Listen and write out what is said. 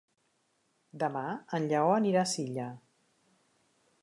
Demà en Lleó anirà a Silla.